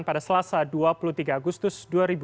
pada selasa dua puluh tiga agustus dua ribu dua puluh